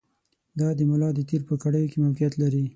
دا د ملا د تېر په کړیو کې موقعیت لري.